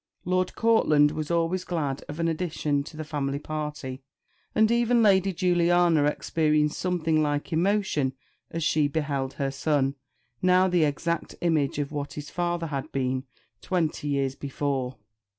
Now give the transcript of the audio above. Lord Courtland was always glad of an addition to the family party; and even Lady Juliana experienced something like emotion as she beheld her son, now the exact image of what his father had been twenty years before.